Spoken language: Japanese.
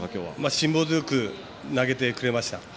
辛抱強く投げてくれました。